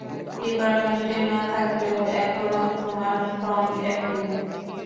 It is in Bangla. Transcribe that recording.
ডিপার্টমেন্টে না থাকলেও এখনো তোমার ফর্ম একই।